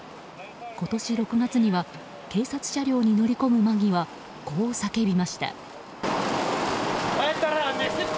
今年６月には警察車両に乗り込む間際こう叫びました。